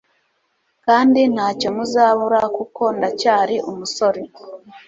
kandi ntacyo muzabura Kuko ndacyari umusore